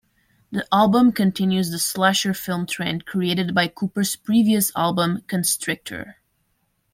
The album continues the slasher film trend created by Cooper's previous album "Constrictor".